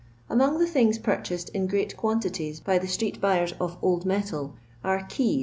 Among the things purchased in great quantities by the itreet buyers of old metal are keys.